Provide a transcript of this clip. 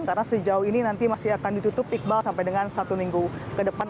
karena sejauh ini nanti masih akan ditutup iqbal sampai dengan satu minggu ke depan